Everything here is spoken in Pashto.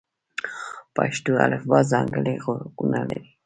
پښتو الفبې ځانګړي غږونه لري.